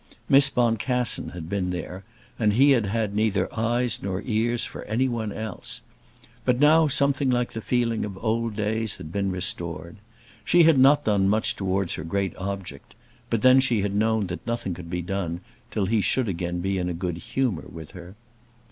Miss Boncassen had been there, and he had had neither ears nor eyes for any one else. But now something like the feeling of old days had been restored. She had not done much towards her great object; but then she had known that nothing could be done till he should again be in a good humour with her.